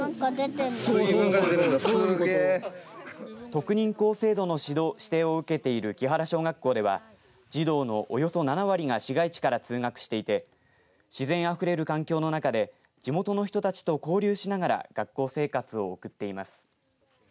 特認校制度の指定を受けている木原小学校では児童のおよそ７割が市街地から通学していて自然が触れる環境の中で地元の人たちと交流しながら学校生活を送っています。